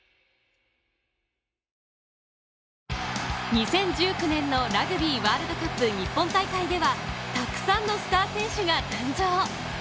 ２０１９年のラグビーワールドカップ日本大会ではたくさんのスター選手が誕生！